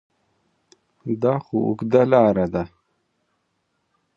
دا خو اوږده لاره ده ؟